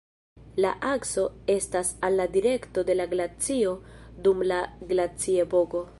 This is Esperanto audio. La akso estas al la direkto de la glacio dum la glaciepoko.